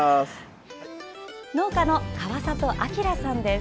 農家の川里章さんです。